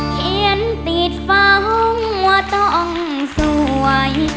เขียนติดฟ้าห้องว่าต้องสวย